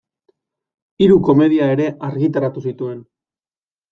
Hiru komedia ere argitaratu zituen.